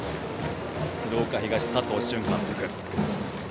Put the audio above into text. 鶴岡東、佐藤俊監督。